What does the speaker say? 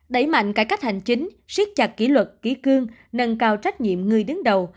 đẩy mạnh cải cách hành chính siết chặt kỷ luật kỷ cương nâng cao trách nhiệm người đứng đầu